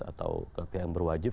atau ke pihak yang berwajib